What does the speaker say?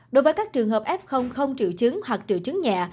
đối với các trường hợp f không triệu chứng hoặc triệu chứng nhẹ